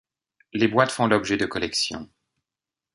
Les boîtes font l'objet de collections.